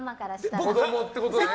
子供ってことね。